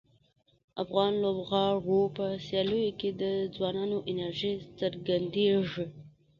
د افغان لوبغاړو په سیالیو کې د ځوانانو انرژي څرګندیږي.